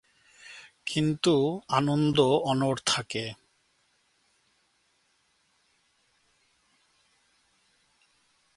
কিন্তু আনন্দ অনড় থাকে।